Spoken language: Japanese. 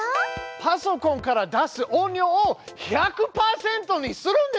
パソコンから出す音量を１００％にするんですね！